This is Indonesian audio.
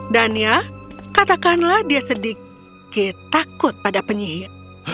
dan ya katakanlah dia sedikit takut pada penyihir